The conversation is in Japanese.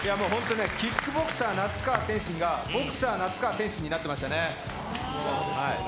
キックボクサー・那須川天心がボクサー・那須川天心になってましたね。